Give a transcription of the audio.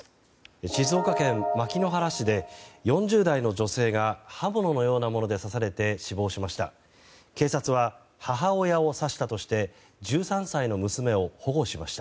静岡県牧之原市で４０代の女性が刃物のようなもので刺されて死亡しました。